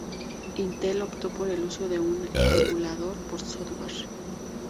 Intel optó por el uso de un emulador por software.